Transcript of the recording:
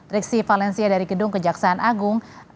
riksi valencia dari gedung kejaksaan agung